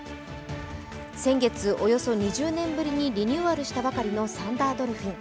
先月およそ２０年ぶりにリニューアルしたばかりのサンダードルフィン。